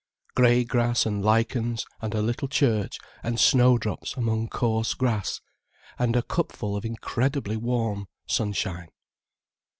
Grey grass and lichens and a little church, and snowdrops among coarse grass, and a cupful of incredibly warm sunshine.